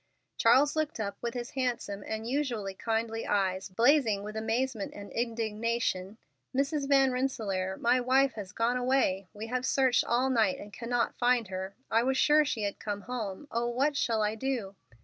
Charles looked up with his handsome and usually kindly eyes blazing with amazement and indignation: "Mrs. Van Rensselaer, my wife has gone away. We have searched all night and cannot find her. I was sure she had come home. Oh, what shall I do?"